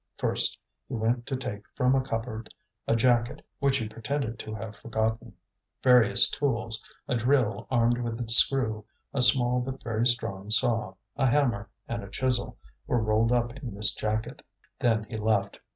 First he went to take from a cupboard a jacket which he pretended to have forgotten. Various tools a drill armed with its screw, a small but very strong saw, a hammer, and a chisel were rolled up in this jacket. Then he left.